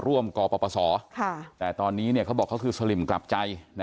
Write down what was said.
กปศแต่ตอนนี้เขาบอกเขาคือสลิมกลับใจ